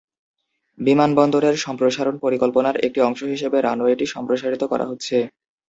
বিমানবন্দরের সম্প্রসারণ পরিকল্পনার একটি অংশ হিসেবে রানওয়েটি সম্প্রসারিত করা হচ্ছে।